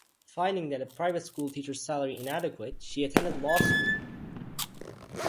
Finding that a private school teacher's salary inadequate, she attended law school.